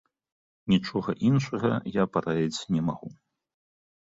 Нічога іншага я параіць не магу.